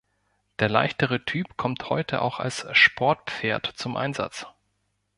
Der leichtere Typ kommt heute auch als Sportpferd zum Einsatz.